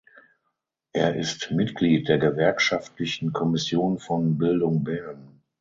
Er ist Mitglied der Gewerkschaftlichen Kommission von "Bildung Bern".